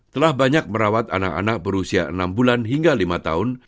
telah banyak merawat anak anak berusia enam bulan hingga lima tahun